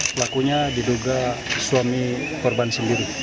pelakunya diduga suami korban sendiri